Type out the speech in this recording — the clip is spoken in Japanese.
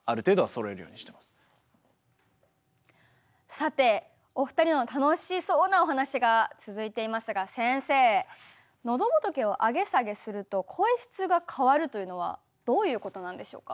さてお二人の楽しそうなお話が続いていますが先生のどぼとけを上げ下げすると声質が変わるというのはどういうことなんでしょうか？